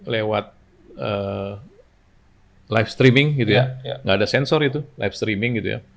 lewat live streaming gitu ya nggak ada sensor itu live streaming gitu ya